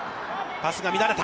パスが乱れた。